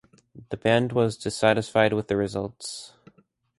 The band was dissatisfied with the results.